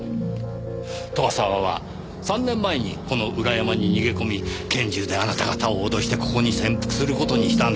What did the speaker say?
沢は３年前にこの裏山に逃げ込み拳銃であなた方を脅してここに潜伏する事にしたんです。